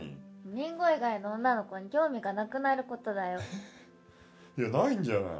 りんご以外の女の子に興味がなくなることだよいやないんじゃない？